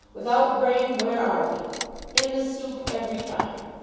Without brain, where are we? In the soup, every time.